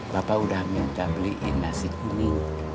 bapak udah minta beliin nasi kuning